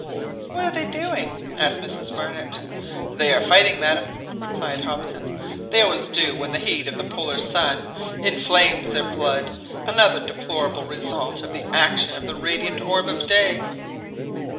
"What are they doing?" asked Mrs Barnett. "They are fighting, madam," replied Hobson; "they always do when the heat of the Polar sun inflames their blood another deplorable result of the action of the radiant orb of day